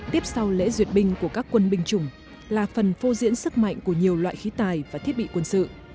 tiếp sau lễ duyệt binh của các quân binh chủng là phần phô diễn sức mạnh của nhiều loại khí tài và thiết bị quân sự